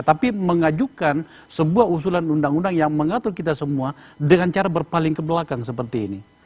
tapi mengajukan sebuah usulan undang undang yang mengatur kita semua dengan cara berpaling ke belakang seperti ini